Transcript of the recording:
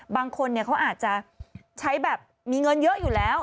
บางคนเขาอาจจะใช้แบบมีเงินเยอะอยู่แล้ว